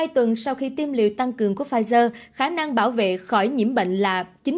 hai tuần sau khi tiêm liệu tăng cường của pfizer khả năng bảo vệ khỏi nhiễm bệnh là chín mươi ba một